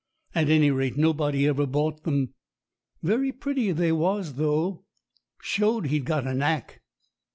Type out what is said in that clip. At any rate, nobody ever bought them. Very pretty they was though, and showed he'd got a knack.